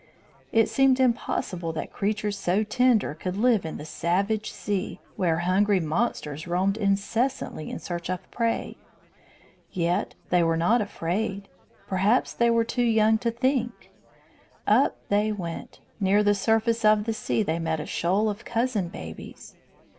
It seemed impossible that creatures so tender could live in the savage sea, where hungry monsters roamed incessantly in search of prey. Yet they were not afraid. Perhaps they were too young to think. Up they went. Near the surface of the sea they met a shoal of cousin babies.